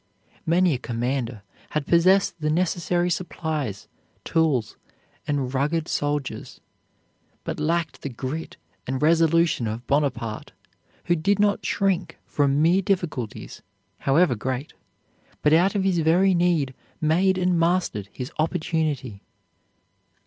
Many a commander had possessed the necessary supplies, tools, and rugged soldiers, but lacked the grit and resolution of Bonaparte, who did not shrink from mere difficulties, however great, but out of his very need made and mastered his opportunity.